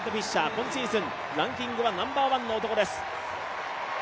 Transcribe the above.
今シーズンランキングはナンバーワンの男です。